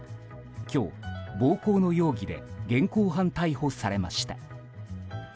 今日、暴行の容疑で現行犯逮捕されました。